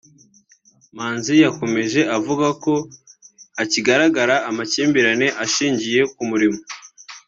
Manzi yakomeje avuga ko hakigaragara amakimbirane ashingiye ku murimo